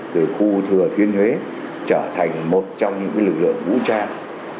từ khu thừa thiên huế trở thành một trong những lực lượng vũ trang